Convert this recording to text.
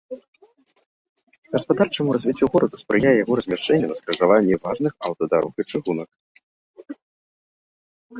Гаспадарчаму развіццю горада спрыяе яго размяшчэнне на скрыжаванні важных аўтадарог і чыгунак.